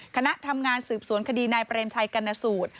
คณะทำงานสืบสวนคดีนายเปรมชัยกรรณสูตร